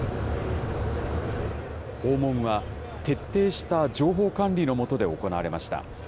訪問は徹底した情報管理のもとで行われました。